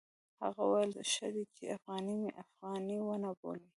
هغه وویل ښه دی چې افغاني مې افغاني ونه بولي.